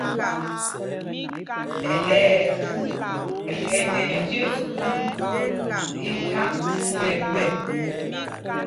Thɛɛ ɛ nɛ njes gūnd i thaŋ thɛmbɛ.